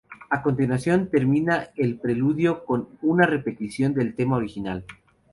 A continuación termina el preludio con una repetición del tema original.